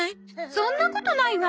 そんなことないわ。